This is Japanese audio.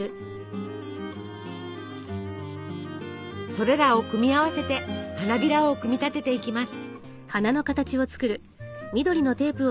それらを組み合わせて花びらを組み立てていきます。